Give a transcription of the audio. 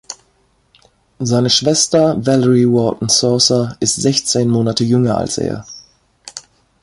Seine Schwester, Valerie Wharton Saucer, ist sechzehn Monate jünger als er.